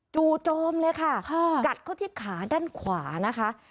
จู่โจมเลยค่ะกัดเข้าที่ขาด้านขวานะคะ